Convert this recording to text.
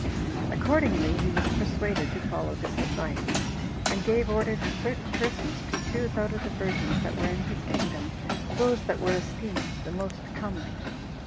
Accordingly, he was persuaded to follow this advice, and gave order to certain persons to choose out of the virgins that were in his kingdom those that were esteemed the most comely.